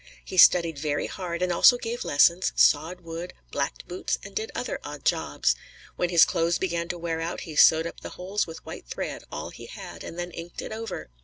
He studied very hard and also gave lessons, sawed wood, blacked boots, and did other odd jobs. When his clothes began to wear out he sewed up the holes with white thread, all he had, and then inked it over.